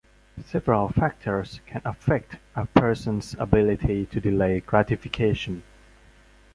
Several factors can affect a person's ability to delay gratification.